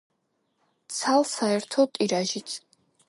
ცალ საერთო ტირაჟით.